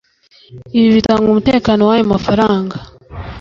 Ibi bitanga umutekano w’ayo mafaranga